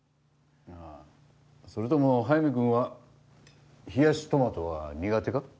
「それとも速水君は冷やしトマトは苦手か？」